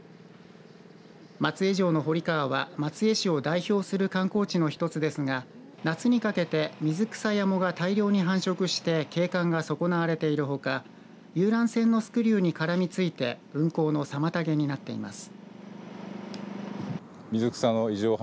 松江城の堀川は松江市を代表する観光地の１つですが夏にかけて水草や藻が大量に繁殖して景観が損なわれているほか遊覧船のスクリューに絡みついて運航の妨げになっています。